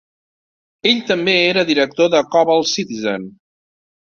Ell també era director de Cobalt Citizen.